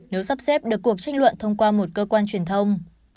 nếu sắp xếp được cuộc tranh luận thông qua một cơ quan truyền thông